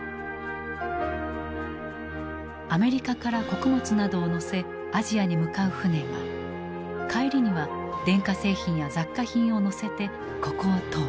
アメリカから穀物などを載せアジアに向かう船が帰りには電化製品や雑貨品を載せてここを通る。